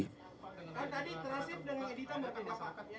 kan tadi transkrip dengan edita berbeda